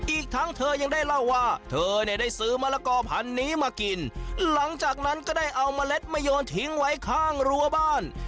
อีกทั้งเธอยังได้เล่าว่าเธอเนี่ยได้ซื้อมะละกอพันนี้มากินหลังจากนั้นก็ได้เอาเมล็ดมาโยนทิ้งไว้ข้างรั้วบ้าน